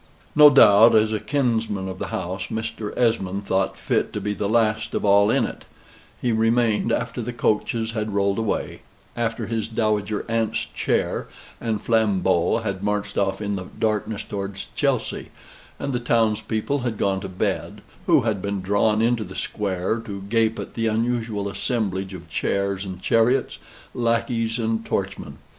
No doubt, as a kinsman of the house, Mr. Esmond thought fit to be the last of all in it; he remained after the coaches had rolled away after his dowager aunt's chair and flambeaux had marched off in the darkness towards Chelsey, and the town's people had gone to bed, who had been drawn into the square to gape at the unusual assemblage of chairs and chariots, lackeys, and torchmen.